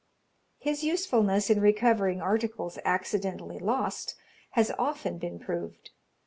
His usefulness in recovering articles accidentally lost has often been proved.